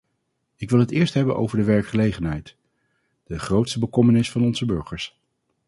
Ik wil het eerst hebben over de werkgelegenheid, de grootste bekommernis van onze burgers.